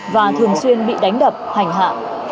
và thường xuyên bị đánh đập hành hạ